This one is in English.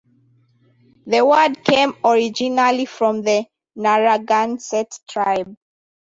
The word came originally from the Narragansett tribe.